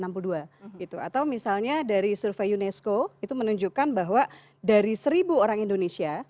atau misalnya dari survei unesco itu menunjukkan bahwa dari seribu orang indonesia